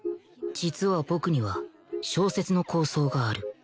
実は僕には小説の構想がある